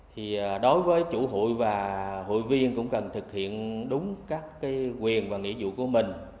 thì đối với chủ hụi và hụi viên cũng cần thực hiện đúng các quyền và nghị dụ của mình